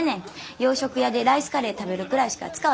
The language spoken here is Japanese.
洋食屋でライスカレー食べるくらいしか使わへんし。